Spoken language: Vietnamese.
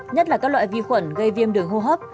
nhất là các loại vi khuẩn gây viêm đường hô hấp